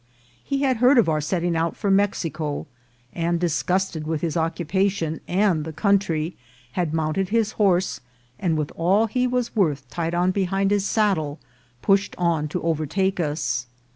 He had heard of our setting out for Mexico, and, dis gusted with his occupation and the country, had mount ed his horse, and with all he was worth tied on behind his saddle, pushed on to overtake us.